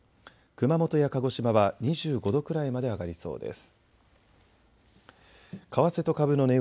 熊本や鹿児島は２５度くらいまで上がりそうです。